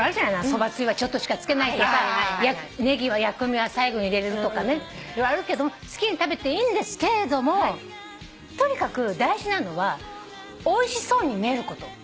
そばつゆはちょっとしかつけないとかネギは薬味は最後に入れるとか色々あるけど好きに食べていいんですけれどもとにかく大事なのはおいしそうに見えること。